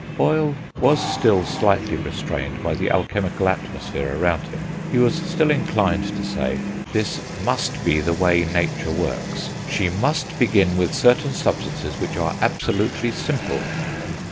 Boyle was still slightly restrained by the alchemical atmosphere around him; he was still inclined to say, "this must be the way nature works, she must begin with certain substances which are absolutely simple."